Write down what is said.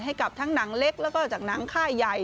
ให้กับทั้งหนังเล็กแล้วก็จากหนังค่ายใหญ่